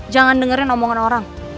jangan dengerin omongan orang